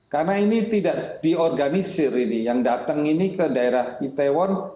karena ini tidak diorganisir ini yang datang ini ke daerah itaewon